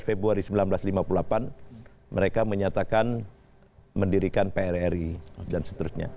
februari seribu sembilan ratus lima puluh delapan mereka menyatakan mendirikan prri dan seterusnya